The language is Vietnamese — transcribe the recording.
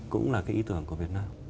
cũng là ý tưởng của việt nam